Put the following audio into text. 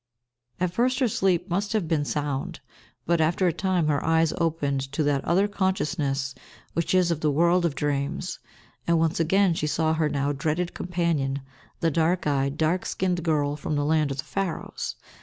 At first her sleep must have been sound; but, after a time, her eyes opened to that other consciousness which is of the world of dreams, and once again she saw her now dreaded companion, the dark eyed, dark skinned girl from the land of the Pharaohs.